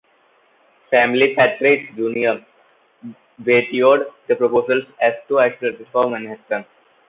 Family patriarch Junior vetoed the proposals as too isolated from Manhattan.